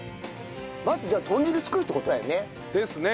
まずじゃあ豚汁作るって事だよね。ですね。